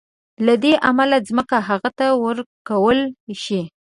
له دې امله ځمکه هغه ته ورکول شي.